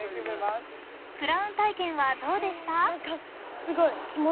［クラウン体験はどうでした？］